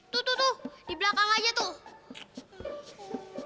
tuh tuh tuh di belakang aja tuh